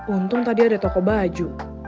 untung tadi ada toko baju